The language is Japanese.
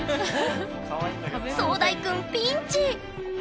壮大くんピンチ！